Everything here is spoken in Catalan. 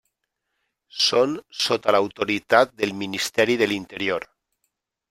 Són sota l'autoritat del Ministeri de l'Interior.